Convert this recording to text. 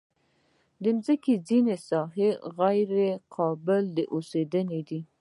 د مځکې ځینې ساحې غیر قابلې اوسېدنې دي.